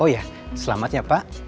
oh iya selamatnya pak